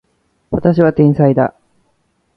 私は天才だ